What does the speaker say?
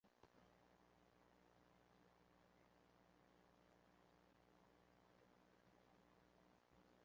Se dice que Colmán compartió trono con Áed Sláine.